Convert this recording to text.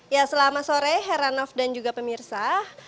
ya selamat sore heranov dan juga pemirsa